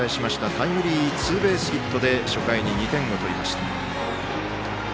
タイムリーツーベースヒットで初回に２点を取りました。